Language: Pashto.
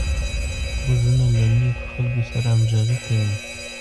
غوږونه له نېکو خلکو سره همغږي کوي